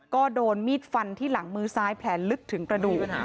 ก็โดนมีดฟันที่หลังมือซ้ายแผลลึกถึงกระดูก